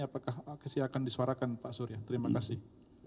apakah masih akan disuarakan pak surya terima kasih